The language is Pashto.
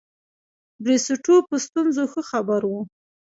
بریسټو په ستونزو ښه خبر وو.